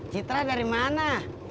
citra dari mana